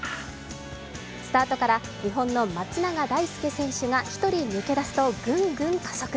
スタートから日本の松永大介選手が一人抜け出すとぐんぐん加速。